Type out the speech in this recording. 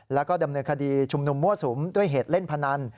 แล้วก็ดำเนินคดีชุมนุมมั่วสุมด้วยเหตุเล่นพนัน